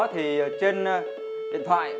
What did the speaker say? thì trên điện thoại